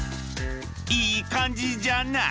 いい感じじゃな。